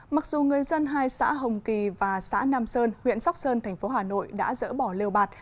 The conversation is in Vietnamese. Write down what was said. mặc dù người dân hai xã hồng kỳ và xã nam sơn huyện sóc sơn thành phố hà nội đã dỡ bỏ liều bạt